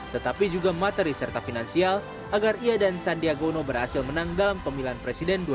tetapi juga materi serta finansial agar ia dan sandiagono berhasil menang dalam pemilihan presiden dua ribu sembilan belas